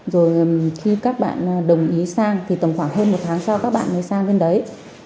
rồi khi các bạn đồng ý sang thì tầm khoảng hơn một tháng sau các bạn ấy sang bên đấy